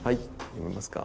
読めますか。